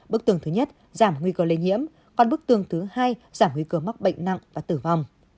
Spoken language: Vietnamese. bức tường thứ nhất giảm nguy cơ lây nhiễm còn bức tường thứ hai giảm nguy cơ mắc bệnh nặng và tử vong